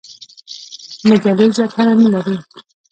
مجلې زیاتره نه لري.